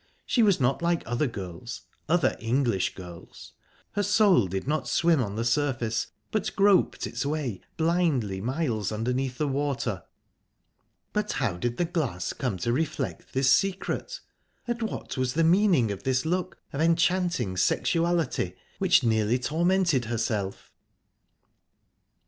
She was not like other girls other English girls. Her soul did not swim on the surface, but groped its way blindly miles underneath the water...But how did the glass come to reflect this secret? And what was the meaning of this look of enchanting sexuality, which nearly tormented herself?...